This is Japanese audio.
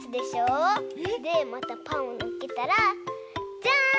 でまたパンをのっけたらじゃん！